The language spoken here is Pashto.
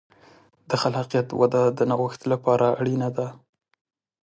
د خلاقیت وده د نوښت لپاره اړینه ده.